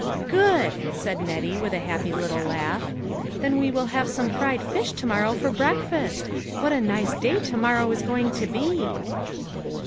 " Good !" said Nettie with a happy little laugh, " then we will have some fried fish to morrow for breakfast. What a nice day to morrow is going to be."